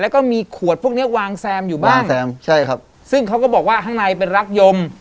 แล้วก็มีขวดพวกนี้วางแซมอยู่บ้างซึ่งเขาก็บอกว่าข้างในเป็นรักยม